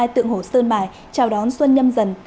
hai nghìn hai mươi hai tượng hổ sơn mài chào đón xuân nhâm dần